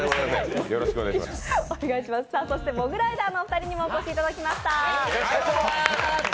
そしてモグライダーのお二人にもお越しいただきました。